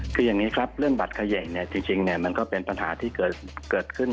คืออย่างนี้ครับเรื่องบัตรเขย่งเนี่ยจริงมันก็เป็นปัญหาที่เกิดขึ้น